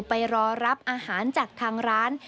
ไปรอรับอาหารจากทางร้าน